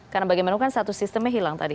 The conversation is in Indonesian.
karena bagaimana kan satu sistemnya hilang tadi